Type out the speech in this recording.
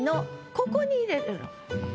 ここに入れるの。